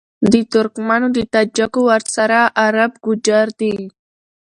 د ترکمــــنــــــو، د تاجـــــــــکــــو، ورســـــره عــــرب گـــوجـــر دي